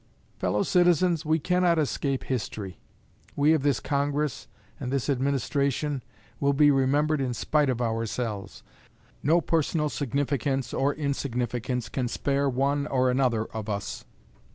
Fellow citizens, we cannot escape history. We of this Congress and this administration will be remembered in spite of ourselves. No personal significance, or insignificance, can spare one or another of us.